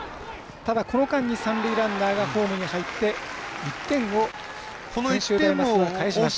ただ、この間に三塁ランナーがホームに入って１点を専修大松戸は返しました。